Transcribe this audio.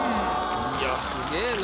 いやすげぇな。